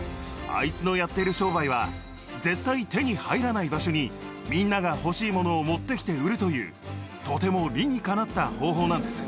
あいつのやっている商売は絶対手に入らない場所にみんなが欲しいものを持って来て売るというとても理にかなった方法なんです。